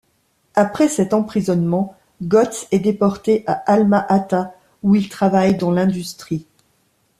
Après cet emprisonnement, Gots est déporté à Alma-Ata, où il travaille dans l'industrie.